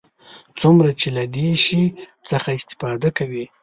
څومره چې له دې شي څخه استفاده کوي.